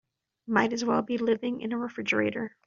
Might as well be living in a refrigerator.